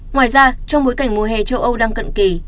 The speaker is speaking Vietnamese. ngoài ra trong bối cảnh mùa hè châu âu đang cận kỳ